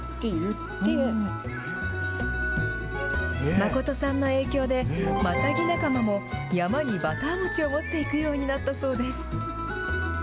誠さんの影響で、マタギ仲間も山にバター餅を持っていくようになったそうです。